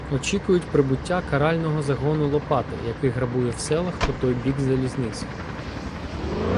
Очікують прибуття карального загону Лопати, який грабує в селах по той бік залізниці.